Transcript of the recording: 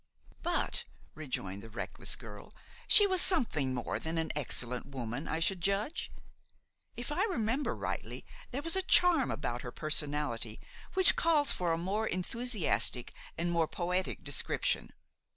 "But," rejoined the reckless girl, "she was something more than an excellent woman, I should judge. If I remember rightly there was a charm about her personality which calls for a more enthusiastic and more poetic description.